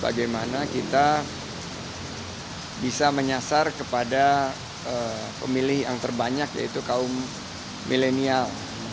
bagaimana kita bisa menyasar kepada pemilih yang terbanyak yaitu kaum milenial